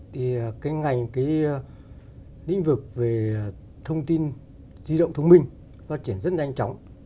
thì ngành lĩnh vực về thông tin di động thông minh phát triển rất nhanh chóng